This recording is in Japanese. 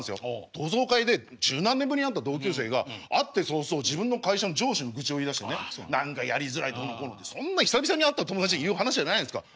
同窓会で十何年ぶりに会った同級生が会って早々自分の会社の上司の愚痴を言いだしてね何かやりづらいどうのこうのってそんな久々に会った友達に言う話じゃないじゃないですか。